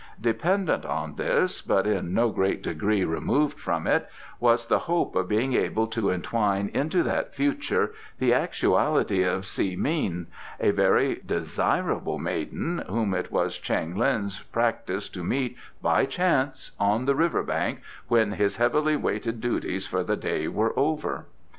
Dependent on this, but in no great degree removed from it, was the hope of being able to entwine into that future the actuality of Hsi Mean, a very desirable maiden whom it was Cheng Lin's practice to meet by chance on the river bank when his heavily weighted duties for the day were over.